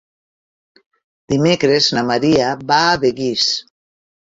Dimecres na Maria va a Begís.